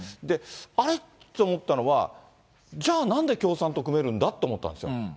あれ？って思ったのは、じゃあ、なんで共産と組めるんだと思ったんですよ。